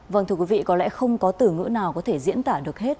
vâng thưa quý vị có lẽ không có từ ngữ nào có thể diễn tả được hết